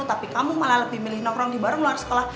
tapi kamu malah lebih milih nongkrong di bareng luar sekolah